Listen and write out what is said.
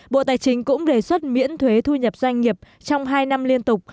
bộ tài chính cũng đề xuất miễn thuế thu nhập doanh nghiệp trong hai năm liên tục